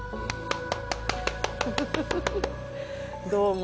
どうも。